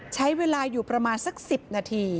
ใช้เวลาอยู่ประมาณสัก๑๐นาที